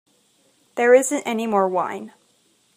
There isn't any more wine.